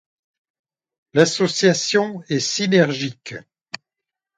L'association est synergique.